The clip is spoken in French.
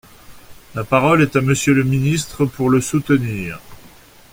La parole est à Monsieur le ministre, pour le soutenir.